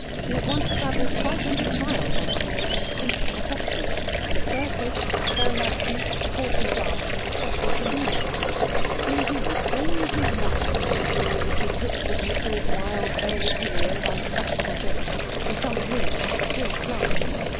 He had once travelled five hundred miles under the name of Prince Gotoffski, in a fur coat, a foreign accent, a false moustache and a special saloon carriage. Indeed, only his wife knew all the secrets of Mitchell's wild early career of unpractical jokes, to some of which he still clung.